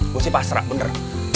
gue sih pasrah bener